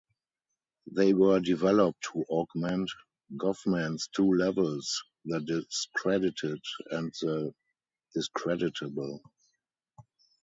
They were developed to augment Goffman's two levels - the discredited and the discreditable.